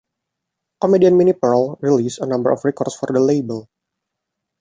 Comedian Minnie Pearl released a number of records for the label.